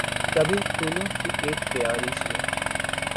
کبھی پھولوں کی اک کیاری سی